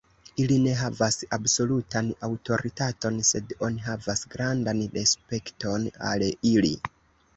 Ili ne havas absolutan aŭtoritaton, sed oni havas grandan respekton al ili.